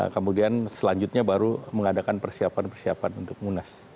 kemudian selanjutnya baru mengadakan persiapan persiapan untuk munas